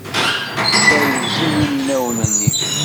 Tessewzel inaw-nni.